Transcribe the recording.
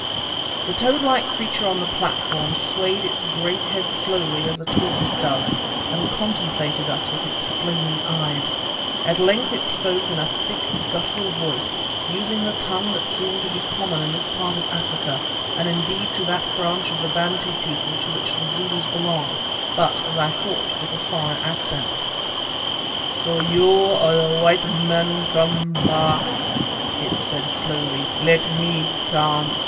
The toad like creature on the platform swayed its great head slowly as a tortoise does, and contemplated us with its flaming eyes. At length it spoke in a thick, guttural voice, using the tongue that seemed to be common to this part of Africa and indeed to that branch of the Bantu people to which the Zulus belong, but, as I thought, with a foreign accent. "So you are the white men come back," it said slowly. "Let me count!"